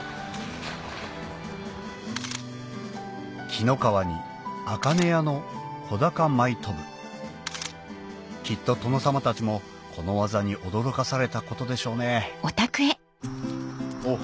紀の川に茜屋の小鷹舞い飛ぶきっと殿様たちもこの技に驚かされたことでしょうねおっ